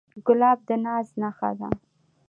ګلاب د ناز نخښه ده.